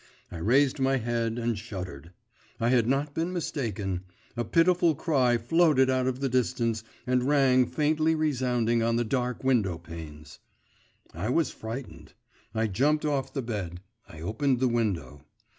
… I raised my head and shuddered; I had not been mistaken; a pitiful cry floated out of the distance and rang faintly resounding on the dark window panes. I was frightened; I jumped off the bed; I opened the window.